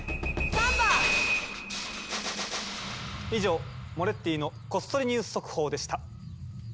以上「モレッティのこっそりニュース速報」でした。